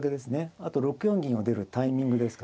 あと６四銀を出るタイミングですか。